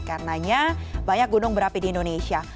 karenanya banyak gunung berapi di indonesia